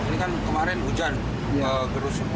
ini kan kemarin hujan gerus